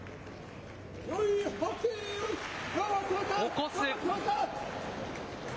起こす。